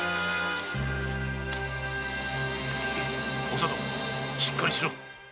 おさとしっかりしろ！